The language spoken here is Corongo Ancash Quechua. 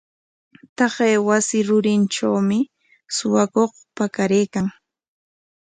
Taqay wasi rurintrawmi suwakuq pakaraykan.